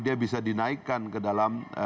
dia bisa dinaikkan ke dalam